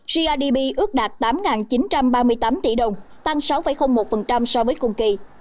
grdp ước đạt tám chín trăm ba mươi tám tỷ đồng tăng sáu một so với cùng kỳ